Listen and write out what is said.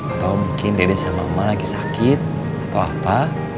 atau mungkin dede sama emak lagi sakit atau apa